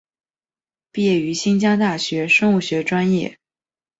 毕业于新疆大学生物学专业。